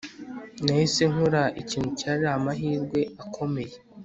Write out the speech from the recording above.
nahise nkora ikintu cyari amahirwe akomeye